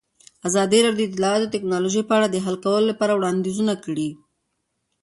ازادي راډیو د اطلاعاتی تکنالوژي په اړه د حل کولو لپاره وړاندیزونه کړي.